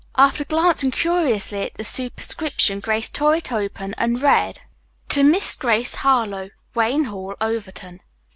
After glancing curiously at the superscription, Grace tore it open and read: "To MISS GRACE HARLOWE, "Wayne Hall, "Overton.